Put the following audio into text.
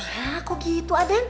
nah kok gitu aden